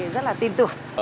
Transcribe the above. rất là tin tưởng